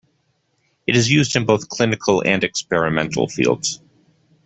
It is used in both clinical and experimental fields.